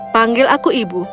panggil aku ibu